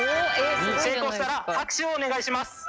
成功したら拍手をお願いします。